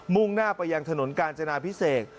่งหน้าไปยังถนนกาญจนาพิเศษ